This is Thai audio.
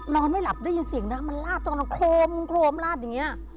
นอนไม่หลับได้ยินเสียงน้ำมันลาดจงน่ะโครมลาดอย่างเงี้ย